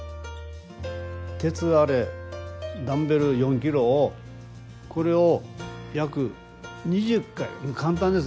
鉄アレイダンベル４キロをこれを約２０回簡単です。